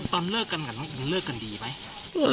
ตอนเลิกกันกับน้องเลิกกันดีไหม